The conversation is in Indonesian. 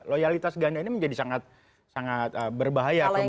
loyalitas ganda ini menjadi sangat berbahaya kemudian